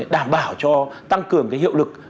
đảm bảo cho tăng cường cái hiệu lực